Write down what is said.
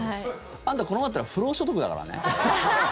あんた、このままだったら不労所得だからね。